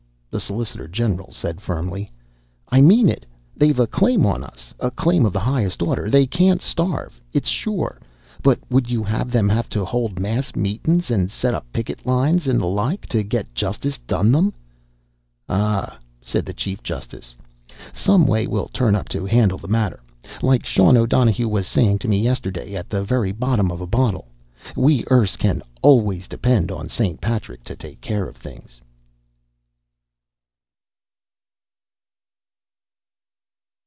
The solicitor general said firmly: "I mean it! They've a claim on us! A claim of the highest order! They can't starve, it's sure! But would you have them have to hold mass meetin's and set up picket lines and the like, to get justice done them?" "Ah," said the chief justice. "Some way will turn up to handle the matter. Like Sean O'Donohue was sayin' to me yesterday, at the very bottom of a bottle, we Erse can always depend on St. Patrick to take care of things!"